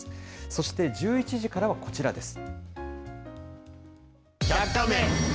そして１１時からはこちらです。